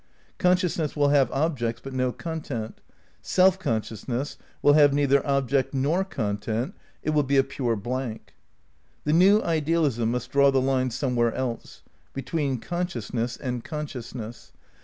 Consciousness will have objects but no content. Self consciousness will have neither object nor content, it will be a pure blank. The new idealism must draw the line somewhere else. Between consciousness and consciousness.